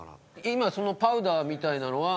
今そのパウダーみたいなのは。